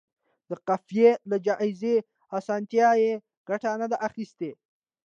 د قافیې له جائزې اسانتیا یې ګټه نه ده اخیستې.